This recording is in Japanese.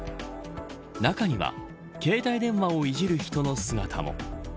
中には携帯電話をいじる人の姿も。